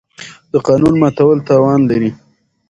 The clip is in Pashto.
د قانون ماتول تاوان لري.